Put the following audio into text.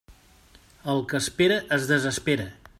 El que espera, es desespera.